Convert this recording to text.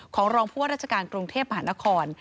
รองผู้ว่าราชการกรุงเทพมหานคร